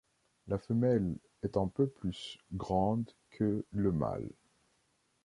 La femelle est un peu plus grande que le mâle.